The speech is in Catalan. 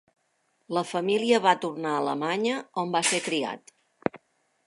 La família va tornar a Alemanya, on va ser criat.